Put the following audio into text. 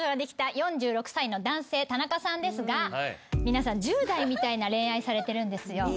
男性田中さんですが皆さん１０代みたいな恋愛されてるんですよ。